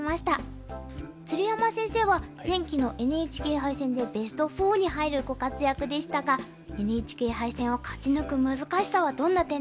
鶴山先生は前期のＮＨＫ杯戦でベスト４に入るご活躍でしたがＮＨＫ杯戦を勝ち抜く難しさはどんな点でしょうか？